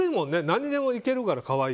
何にでもいけるから。